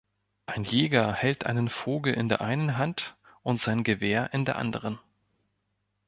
Ein Jäger hält einen Vogel in der einen Hand und sein Gewehr in der anderen.